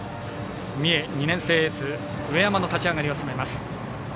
三重、２年生エース上山の立ち上がりを進めます。